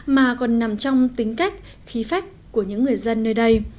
mà còn nằm trong tính cách khí phách của những người dân nơi đây